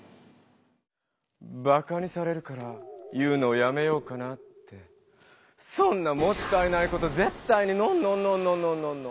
「バカにされるから言うのをやめようかな」ってそんなもったいないことぜったいにノンノンノンノン！